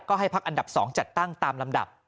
ก็ให้พักอันดับ๒จัดตั้งตามลำดับ